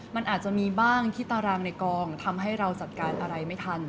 มันอาจจะมีบ้างที่ตารางในกองทำให้เราจัดการอะไรไม่ทัน